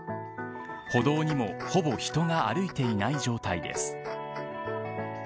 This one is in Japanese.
歩道にもほぼ人が歩いていない状態です。